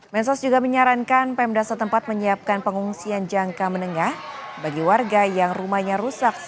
mensos juga menyarankan pemda setempat menyiapkan pengungsian jangka menengah bagi warga yang rumahnya rusak